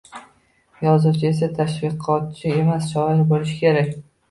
Yozuvchi esa tashviqotchi emas, shoir bo`lishi kerak